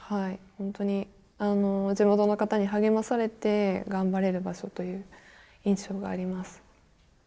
本当に地元の方に励まされて頑張れる場所という印象があります。